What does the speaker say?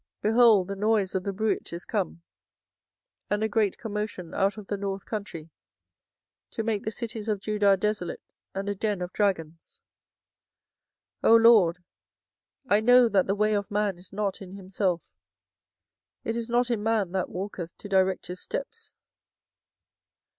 24:010:022 Behold, the noise of the bruit is come, and a great commotion out of the north country, to make the cities of Judah desolate, and a den of dragons. 24:010:023 O LORD, I know that the way of man is not in himself: it is not in man that walketh to direct his steps.